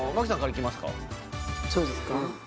そうですか？